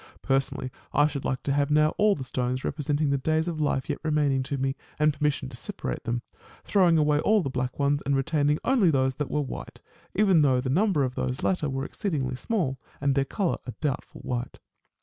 Personally, I should like to have now all the stones representing the days of life yet remaining to me, and permission to separate them, throwing away all the black ones and retaining only those that were white ; even though the number of the latter was exceedingly small, and their colour a doubtful white.